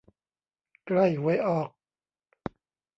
ใกล้หวยออก